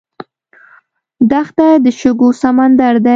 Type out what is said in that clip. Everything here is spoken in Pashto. دښته د شګو سمندر دی.